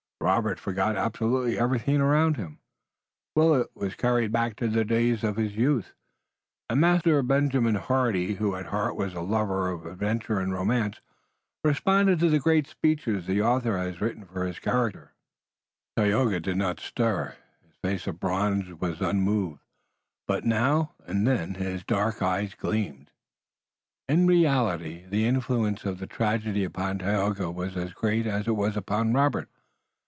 Robert forgot absolutely everything around him, Willet was carried back to days of his youth, and Master Benjamin Hardy, who at heart was a lover of adventure and romance, responded to the great speeches the author has written for his characters. Tayoga did not stir, his face of bronze was unmoved, but now and then his dark eyes gleamed. In reality the influence of the tragedy upon Tayoga was as great as it was upon Robert.